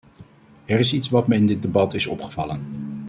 Er is iets wat me in dit debat is opgevallen.